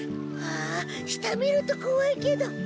あ下見るとこわいけど。